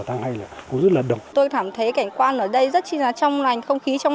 một tháng hai này cũng rất là đồng tôi cảm thấy cảnh quan ở đây rất chi là trong lành không khí trong